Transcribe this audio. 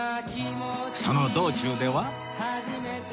その道中では